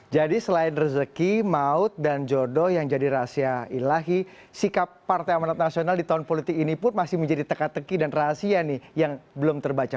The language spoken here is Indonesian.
jadi selain rezeki maut dan jodoh yang jadi rahasia ilahi sikap partai amanat nasional di tahun politik ini pun masih menjadi teka teki dan rahasia nih yang belum terbaca